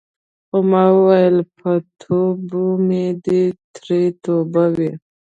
خو ما ویل په توبو مې دې ترې توبه وي.